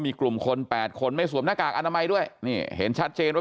มีกลุ่มคนแปดคนไม่สวมหน้ากากอนามัยด้วยนี่เห็นชัดเจนว่า